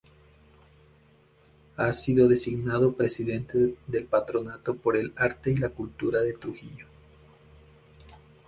Ha sido designado presidente del Patronato por el Arte y la Cultura de Trujillo.